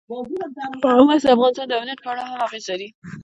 مس د افغانستان د امنیت په اړه هم اغېز لري.